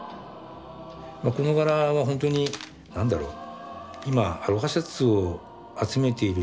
この柄は本当に何だろう。